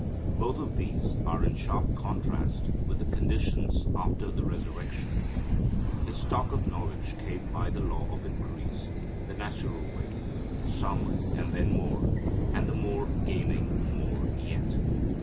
Both of these are in sharp contrast with the conditions after the resurrection. His stock of knowledge came by the law of increase, the natural way; some, and then more, and the more gaining more yet.